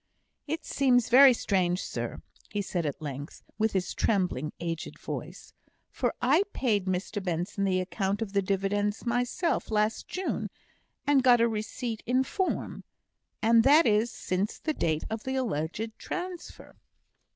"It seems very strange, sir," he said at length, with his trembling, aged voice, "for I paid Mr Benson the account of the dividends myself last June, and got a receipt in form, and that is since the date of the alleged transfer."